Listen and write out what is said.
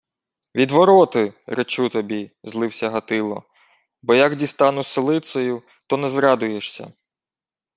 — Відвороти, речу тобі! — злився Гатило. — Бо як дістану сулицею, то не зрадуєшся.